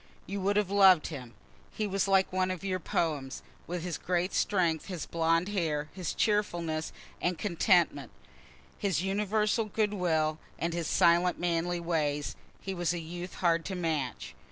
You would have loved him. He was like one of your poems. With his great strength, his blond hair, his cheerfulness and contentment, his universal good will, and his silent manly ways, he was a youth hard to match.